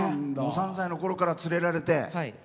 ３歳のころから連れられて。